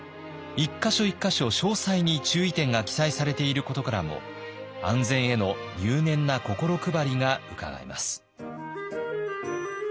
一か所一か所詳細に注意点が記載されていることからも安全への入念な心配りがうかがえます。